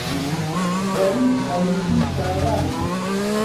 غەریب غەریبی شاران